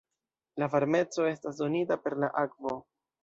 La varmeco estas donita per la akvo.